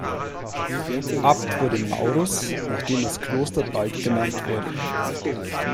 Abt wurde Maurus, nach dem das Kloster bald benannt wurde.